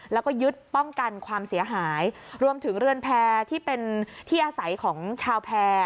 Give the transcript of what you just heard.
แล้วก็ยึดป้องกันความเสียหายรวมถึงเรือนแพร่ที่เป็นที่อาศัยของชาวแพร่